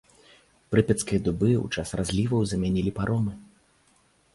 Прыпяцкія дубы ў час разліваў замянялі паромы.